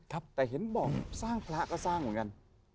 ครับแต่เห็นบอกสร้างพระก็สร้างเหมือนกัน